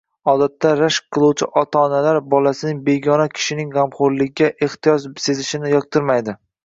Odatda rashk qiluvchi ota-onalar bolasining begona kishining g‘amxo‘rligiga ehtiyoj sezishini yoqtirmaydi.